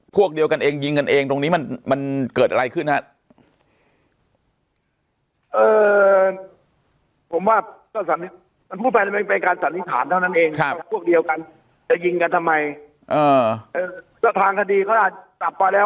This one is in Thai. พวกเดียวกันจะยิงกันทำไมเออแล้วทางคดีก็อาจจับไปแล้ว